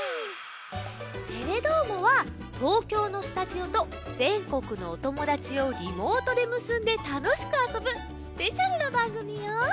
「テレどーも！」は東京のスタジオとぜんこくのおともだちをリモートでむすんでたのしくあそぶスペシャルなばんぐみよ。